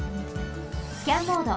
スキャンモード。